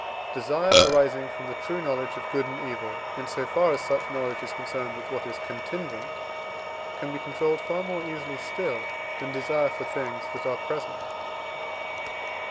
Desire arising from the true knowledge of good and evil, in so far as such knowledge is concerned with what is contingent, can be controlled far more easily still, than desire for things that are present.